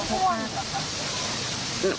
คำพูด